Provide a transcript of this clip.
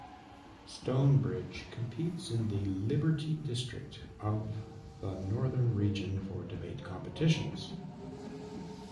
Stone Bridge competes in the Liberty District of the Northern Region for debate competitions.